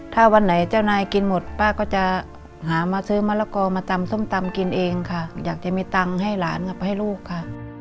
ถ้าวันไหนเจ้านายกินหมดป้าก็จะหามาซื้อมะละกอมาตำส้มตำกินเองค่ะอยากจะมีตังค์ให้หลานกลับไปให้ลูกค่ะ